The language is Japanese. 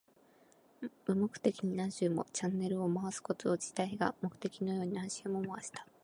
無目的に何周も。チャンネルを回すこと自体が目的のように何周も回した。